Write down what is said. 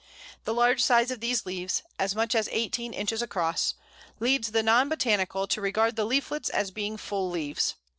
The large size of these leaves as much as eighteen inches across leads the non botanical to regard the leaflets as being full leaves.